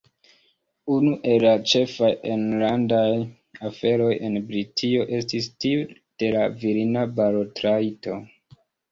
Unu el la ĉefaj enlandaj aferoj en Britio estis tiu de la virina balotrajto.